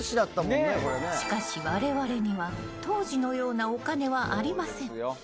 しかし、我々には当時のようなお金はありません。